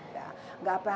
gak apa apa ya